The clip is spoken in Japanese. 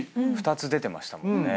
２つ出てましたもんね。